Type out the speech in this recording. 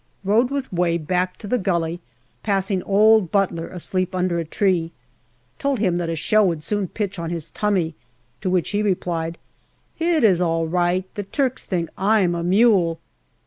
Rode with Way back to the gully, passing old Butler asleep under a tree. Told him that a shell would soon pitch on his " tummy "; to which he replied, " It is aU right : the Turks think I'm a mule."